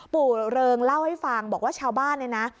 เริงเล่าให้ฟังบอกว่าชาวบ้านเนี่ยนะ